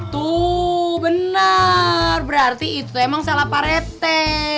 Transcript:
tuh benar berarti itu emang salah pak rete